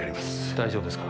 大丈夫ですか？